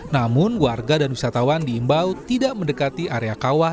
namun warga dan wisatawan diimbau tidak mendekati area kawah